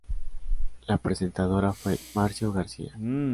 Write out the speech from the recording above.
La presentadora fue Márcio García.